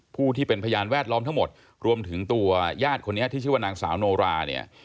ผู้ที่เป็นพยานแวดล้อมทั้งหมดรวมถึงตัวญาติคนนี้ที่ชื่อว่านางสาวโนราเนี่ย